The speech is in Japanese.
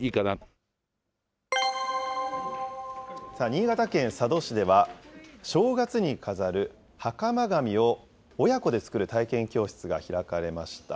新潟県佐渡市では、正月に飾るはかま紙を親子で作る体験教室が開かれました。